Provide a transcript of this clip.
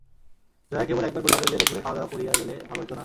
জয়া কেবল একবার বলিল যে দুপুরে খাওয়াদাওয়া করিয়া গেলে ভালো হইত না?